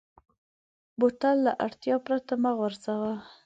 بوتل له اړتیا پرته مه غورځوه.